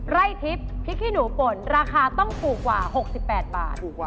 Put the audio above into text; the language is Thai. ไร่ทิพย์พริกขี้หนูป่นราคาต้องถูกกว่า๖๘บาท